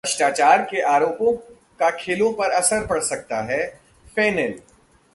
भ्रष्टाचार के आरोपों का खेलों पर असर पड़ सकता है: फेनेल